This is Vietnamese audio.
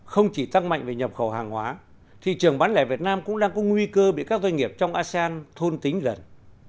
không chỉ tăng mạnh về nhập khẩu hàng hóa thị trường bán lẻ việt nam cũng đang có nguy cơ bị các doanh nghiệp trong asean thôn tính dần